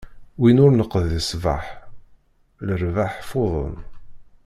Win ur neqḍi ṣṣbeḥ, lerbaḥ futen.